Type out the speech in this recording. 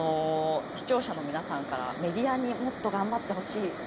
視聴者の皆さんから「メディアにもっと頑張ってほしい。